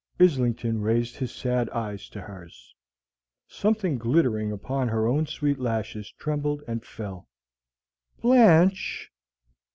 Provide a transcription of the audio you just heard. Islington raised his sad eyes to hers. Something glittering upon her own sweet lashes trembled and fell. "Blanche!"